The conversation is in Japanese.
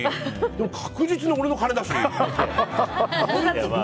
でも確実に俺の金だし。